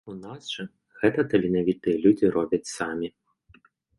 У нас жа гэта таленавітыя людзі робяць самі.